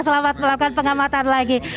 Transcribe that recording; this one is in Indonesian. selamat melakukan pengamatan lagi